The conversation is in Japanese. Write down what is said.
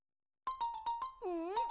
うん？